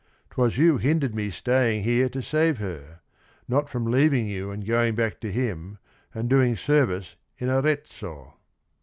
'T was you Hindered me staying here to save her, — not From leaving you and going back to him And doing service in Arezzo.